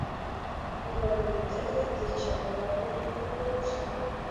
وه لوېدلي د چارواکو له فکرو سه